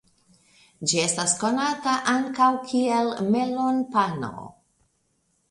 Ĝi estas konata ankaŭ kiel "melonpano".